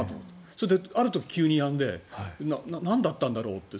それである時急にやんでなんだったんだろうって。